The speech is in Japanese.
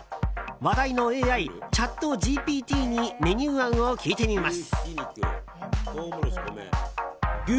話題のＡＩ、チャットＧＰＴにメニュー案を聞いてみます。